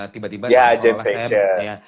tiba tiba ya jam session